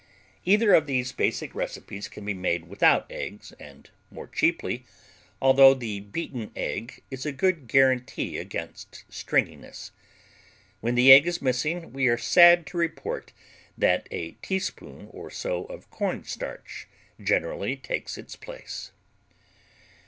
Either of these basic recipes can be made without eggs, and more cheaply, although the beaten egg is a guarantee against stringiness. When the egg is missing, we are sad to record that a teaspoon or so of cornstarch generally takes its place.